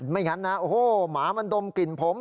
ไม่งั้นนะโอ้โหหมามันดมกลิ่นผม